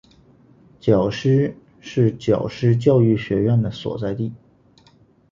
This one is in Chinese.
皎施是皎施教育学院的所在地。